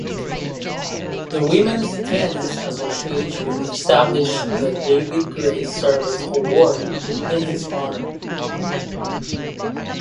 The Women’s Tennis Association established the David Gray Service Award in his honor.